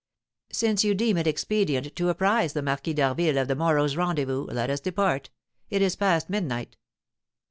Since you deem it expedient to apprise the Marquis d'Harville of the morrow's rendezvous, let us depart; it is past midnight."